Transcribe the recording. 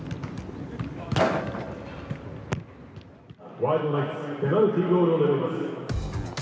「ワイルドナイツペナルティーゴールを狙います」。